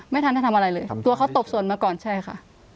ไม่ทันจะทำอะไรเลยครับตัวเขาตบส่วนมาก่อนใช่ค่ะ